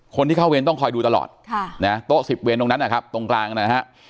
คนที่เข้าเวรต้องคอยดูตลอดโต๊ะ๑๐เวนตรงนั้นนะครับตรงกลางนะฮะ